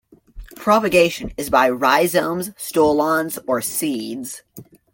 Propagation is by rhizomes, stolons, or seeds.